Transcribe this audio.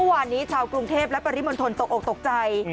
วานนี้ชาวกรุงเทพและปริมณฑลตกออกตกใจ